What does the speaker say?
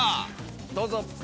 どうぞ。